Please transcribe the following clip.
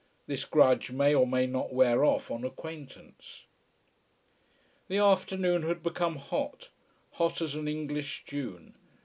This grudge may or may not wear off on acquaintance. The afternoon had become hot hot as an English June.